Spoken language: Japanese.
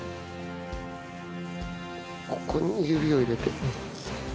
ここに指を入れて。